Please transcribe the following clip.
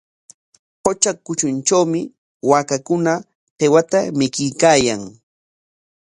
Qutra kutruntrawmi waakakuna qiwata mikuykaayan.